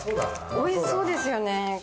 おいしそうですよね。